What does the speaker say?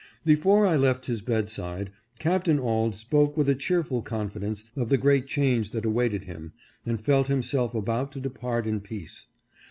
Before I left his bedside Captain Auld spoke with a cheerful confidence of the great change that awaited him, and felt himself about to depart in peace.